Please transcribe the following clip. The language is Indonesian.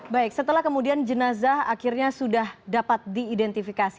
baik setelah kemudian jenazah akhirnya sudah dapat diidentifikasi